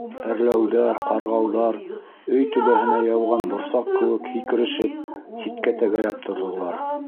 Әрләүҙәр, ҡарғауҙар, өй түбәһенә яуған борсаҡ кеүек һикерешеп, ситкә тәгәрәп торҙолар.